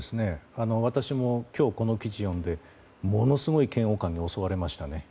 私も今日、この記事を読んでものすごい嫌悪感に襲われましたね。